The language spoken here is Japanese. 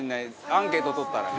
アンケート取ったらね。